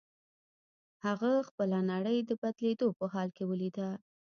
هغه خپله نړۍ د بدلېدو په حال کې وليده.